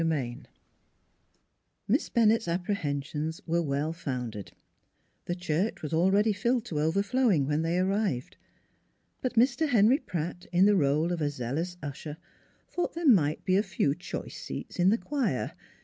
XXIII MISS BENNETT'S apprehensions were well founded: the church was already filled to overflowing when they arrived. But Mr. Henry Pratt, in the role of a zealous usher, thought there might be a few choice seats in the choir.